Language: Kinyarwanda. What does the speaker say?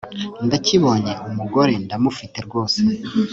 ndakibonye umugore ndamufite rwose